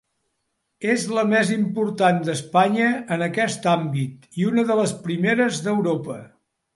És la més important d'Espanya en aquest àmbit i una de les primeres d'Europa.